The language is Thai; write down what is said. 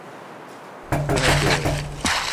เพื่อให้เกิด